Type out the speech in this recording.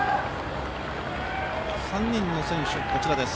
３人の選手、こちらです。